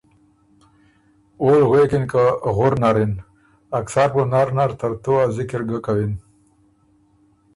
اول غوېکِن که ” غُر نر اِن، اکثر بُو نر نر ترتُو ا ذِکِر ګه کَوِن